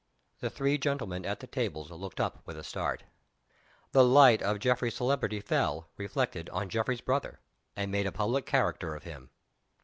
The three gentlemen at the tables looked up with a start. The light of Geoffrey's celebrity fell, reflected, on Geoffrey's brother, and made a public character of him.